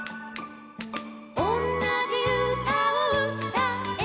「おんなじうたをうたえば」